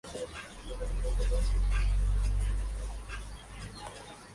Se encuentra en Kenia y en el norte de Tanzania.